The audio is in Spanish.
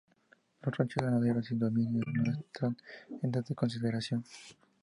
Los ranchos ganaderos y dominios no entraban en esta consideración.